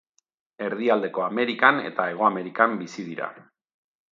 Erdialdeko Amerikan eta Hego Amerikan bizi dira.